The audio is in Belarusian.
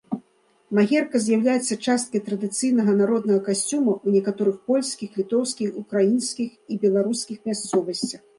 Магерка з'яўляецца часткай традыцыйнага народнага касцюма ў некаторых польскіх, літоўскіх, украінскіх і беларускіх мясцовасцях.